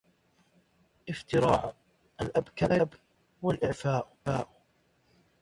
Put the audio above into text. هِ افتراعَ الأبكارِ والإغفاءَ